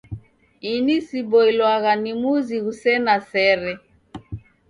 Ini siboilwagha ni muzi ghusena sere.